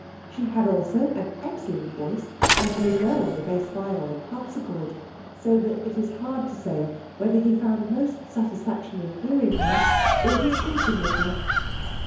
She had also an excellent voice, and played well on the bass viol and harpsicord, so that it is hard to say whether he found most satisfaction in hearing her or discoursing with her.